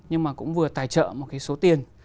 nhưng mà cũng vừa tài trợ một số tiền